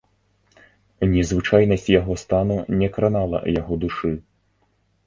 Незвычайнасць яго стану не кранала яго душы.